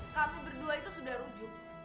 kami berdua itu sudah rujuk